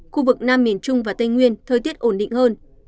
khu vực nam miền trung và tây nguyên thời tiết ổn định hơn